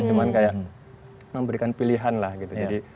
cuma kayak memberikan pilihan lah gitu